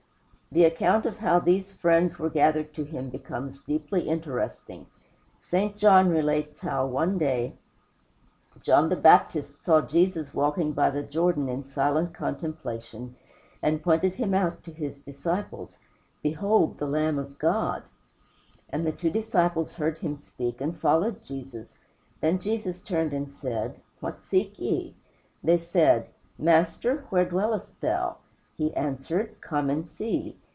The account of how these friends were gathered to him becomes deeply interesting. St. John relates how, one day, John the Baptist saw Jesus walking by the Jordan in silent contemplation, and pointed him out to his disciples: "Behold the Lamb of God." And the two disciples heard him speak and followed Jesus. Then Jesus turned and said, "What seek ye?" They said, "Master, where dwellest thou?" He answered, "Come and see."